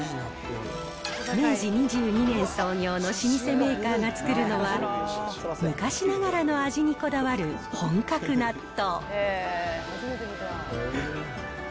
明治２２年創業の老舗メーカーが作るのは、昔ながらの味にこだわる本格納豆。